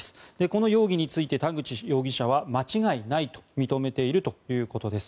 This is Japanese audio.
この容疑について田口容疑者は間違いないと認めているということです。